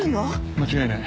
間違いない。